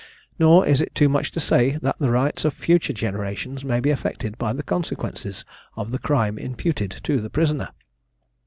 Nor is it too much to say, that the rights of future generations may be affected by the consequences of the crime imputed to the prisoner.